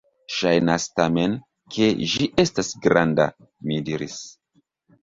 Ŝajnas tamen, ke ĝi estas granda, mi diris.